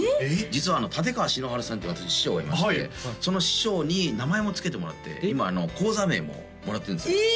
実は立川志の春さんって私師匠がいましてその師匠に名前も付けてもらって今高座名ももらってるんですよえ！